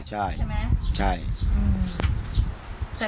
ใช่ใช่ใช่